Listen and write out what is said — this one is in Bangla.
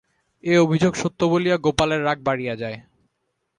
এ অভিযোগ সত্য বলিয়া গোপালের রাগ বাড়িয়া যায়।